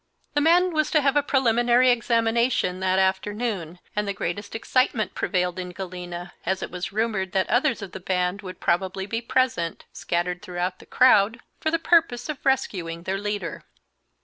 The man was to have a preliminary examination that afternoon, and the greatest excitement prevailed in Galena, as it was rumored that others of the band would probably be present, scattered throughout the crowd, for the purpose of rescuing their leader.